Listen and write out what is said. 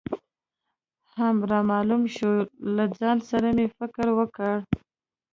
هم رامعلوم شو، له ځان سره مې فکر وکړ.